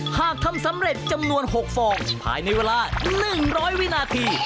หากทำสำเร็จจำนวน๖ฟองภายในเวลา๑๐๐วินาที